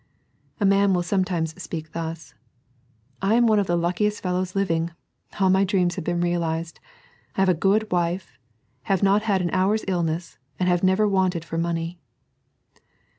A man wiU sometimes speak thus: "I am one of the tackiest fellows living ; all my dreams have been realized ; I have a good wife, have not had an hour's illness, and have never wanted for money."